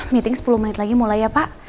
meeting sepuluh menit lagi mulai ya pak